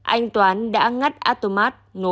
anh toán đã ngắt atomat